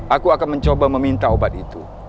aku akan mencoba meminta obat itu